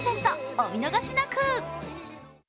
お見逃しなく！